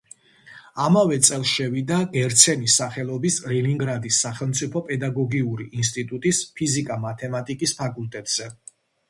ამავე წელს შევიდა გერცენის სახელობის ლენინგრადის სახელმწიფო პედაგოგიური ინსტიტუტის ფიზიკა-მათემატიკის ფაკულტეტზე.